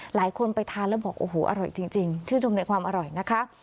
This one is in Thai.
หลายคนไปทานแล้วบอกโอ้โหอร่อยจริงชื่นชมในความอร่อยนะคะ